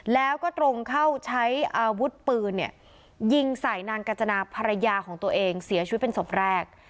แล้วก็ตรงเข้าใช้อาวุธปืนยิงใส่นางกาจนาภรรยาของตัวเองเสียชีวิตเป็นศพแรก